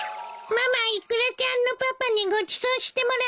ママイクラちゃんのパパにごちそうしてもらったですか？